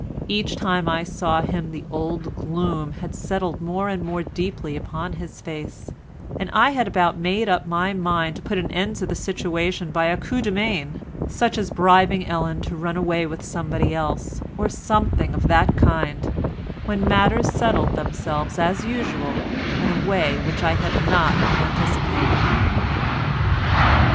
Each time I saw him the old gloom had settled more and more deeply upon his face, and I had about made up my mind to put an end to the situation by a coup de main, such as bribing Ellen to run away with somebody else, or something of that kind, when matters settled themselves as usual in a way which I had not anticipated.